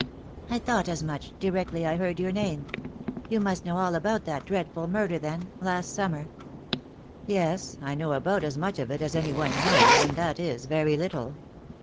"I thought as much, directly I heard your name. You must know all about that dreadful murder, then — last summer?" "Yes, I know about as much of it as any one knows, and that is very little."